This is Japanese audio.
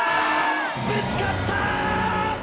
ぶつかった！